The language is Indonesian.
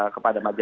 kepada pak jeliza